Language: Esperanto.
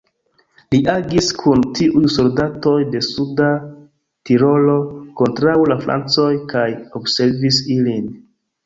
Li agis kun tiuj soldatoj de Suda Tirolo kontraŭ la francoj kaj observis ilin.